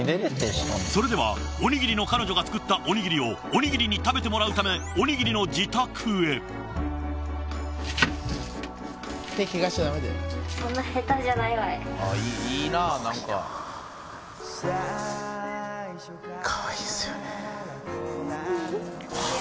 それではおにぎりの彼女が作ったおにぎりをおにぎりに食べてもらうためあっいいななんか。